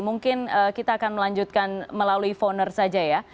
mungkin kita akan melanjutkan melalui phone er saja ya